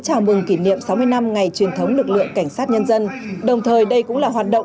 chào mừng kỷ niệm sáu mươi năm ngày truyền thống lực lượng cảnh sát nhân dân đồng thời đây cũng là hoạt động